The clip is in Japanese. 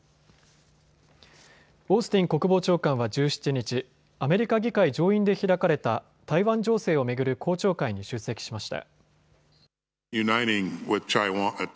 オースティン国防長官は１７日、アメリカ議会上院で開かれた台湾情勢を巡る公聴会に出席しました。